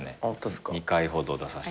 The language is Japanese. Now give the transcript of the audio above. ２回ほど出させて。